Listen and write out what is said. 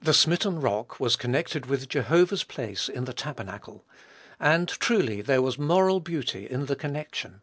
The smitten Rock was connected with Jehovah's place in the tabernacle; and truly there was moral beauty in the connection.